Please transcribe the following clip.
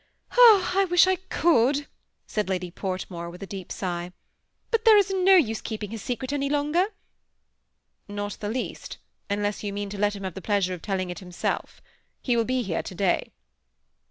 " I wish I could," said Lady Portmore, with a deep sigh; ''but there is no use keeping his secret any longer." ^ Not the least, unless you mean to let him have the pleasure of telling it himself. He will be here to day."